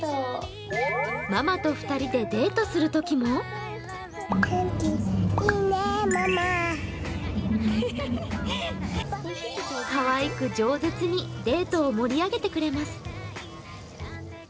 ママと２人でデートするときもかわいく、じょう舌にデートを盛り上げてくれます。